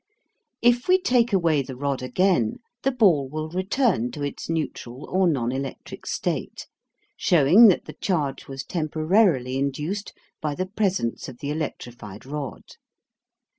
If we take away the rod again the ball will return to its neutral or non electric state, showing that the charge was temporarily induced by the presence of the electrified rod.